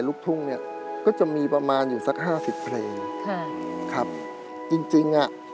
ลูกทุ่งเนี้ยก็จะมีประมาณอยู่สักห้าสิบเพลงค่ะครับจริงจริงอ่ะ